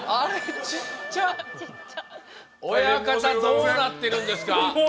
親方どうなってるんですか？